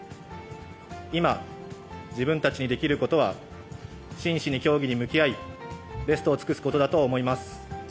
今、自分たちにできることは、真摯に競技に向き合い、ベストを尽くすことだと思います。